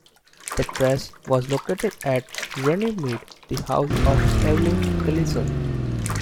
The Press was located at Runnymede, the house of Evelyn Gleeson.